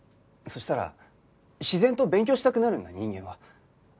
そしたら自然と勉強したくなるんだ人間は。